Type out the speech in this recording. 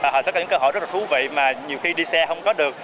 họ sẽ có những cơ hội rất là thú vị mà nhiều khi đi xe không có được